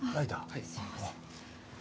あっすいません